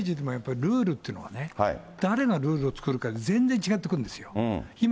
国際政治にもやっぱりルールっていうのがね、誰がルールを作るかで全然違ってくるんですよ。